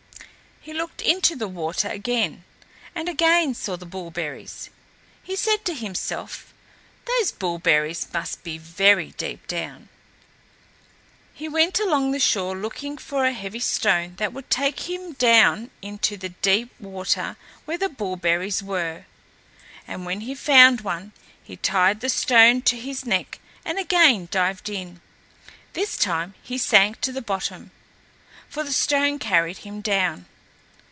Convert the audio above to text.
He looked into the water again, and again saw the bullberries. He said to himself, "Those bullberries must be very deep down." He went along the shore looking for a heavy stone that would take him down into the deep water where the bullberries were, and when he found one he tied the stone to his neck and again dived in. This time he sank to the bottom, for the stone carried him down.